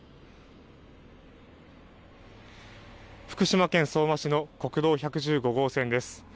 福島県相馬市の国道１１５号線です。